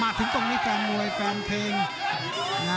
ถึงตรงนี้แฟนมวยแฟนเพลง